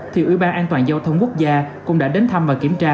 thì ủy ban an toàn giao thông quốc gia cũng đã đến thăm và kiểm tra